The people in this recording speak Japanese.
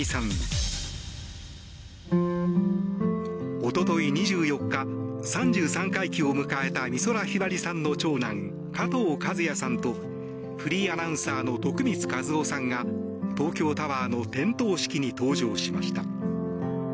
おととい２４日３３回忌を迎えた美空ひばりさんの長男加藤和也さんとフリーアナウンサーの徳光和夫さんが東京タワーの点灯式に登場しました。